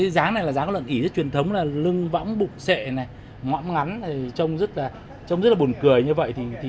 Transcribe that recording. giá này là giá con lợn ỉ rất truyền thống lưng võng bụng xệ ngõm ngắn trông rất là buồn cười như vậy